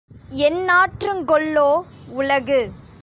என்னாற்றுங் கொல்லோ உலகு